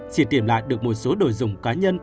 chỉ tìm lại được một số đồ dùng cá nhân của xe mạng